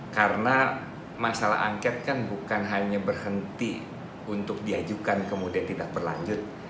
karena masalah angket bukan hanya berhenti untuk diajukan kemudian tidak berlanjut